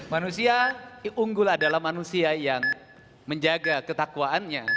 manusia yang unggul adalah manusia yang menjaga ketakwaannya